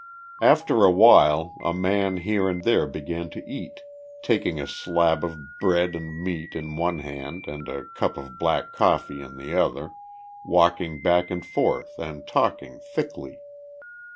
After a while a man here and there began to eat, taking a slab of bread and meat in one hand and a cup of black coffee in the other, walking back and forth and talking thickly.